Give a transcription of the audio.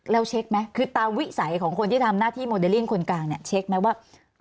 แล้วเช็คไหมคือตามวิสัยของคนที่ทำหน้าที่โมเดลลิ่งคนกลางเนี่ยเช็คไหมว่า